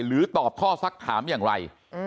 หรือรู้การตอบข้อสักถามอย่างไร